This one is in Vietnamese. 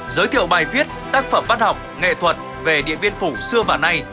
giới thiệu bài viết tác phẩm văn học nghệ thuật về điện biên phủ xưa và nay